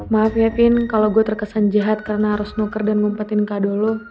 maaf ya vin kalau gue terkesan jahat karena harus nuker dan ngumpetin kadolo